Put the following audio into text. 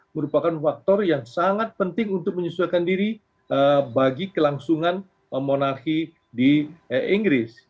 merupakan faktor yang sangat penting untuk menyesuaikan diri bagi kelangsungan monarki di inggris